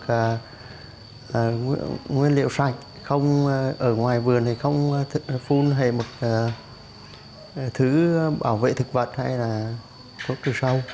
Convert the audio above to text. và nguyên liệu sạch ở ngoài vườn thì không phun hề mực thứ bảo vệ thực vật hay là thuốc trừ sâu